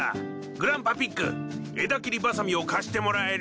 グランパピッグ枝切りバサミを貸してもらえる？